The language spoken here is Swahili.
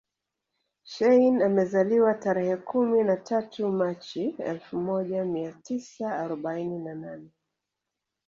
Shein amezaliwa tarehe kumi na tatu machi elfu moja mia tisa arobaini na nane